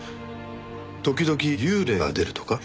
時々幽霊が出るとか？